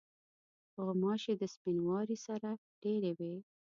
غوماشې د سپینواري سره ډېری وي.